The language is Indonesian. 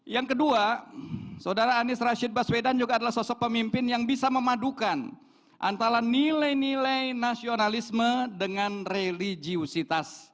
yang kedua saudara anies rashid baswedan juga adalah sosok pemimpin yang bisa memadukan antara nilai nilai nasionalisme dengan religiusitas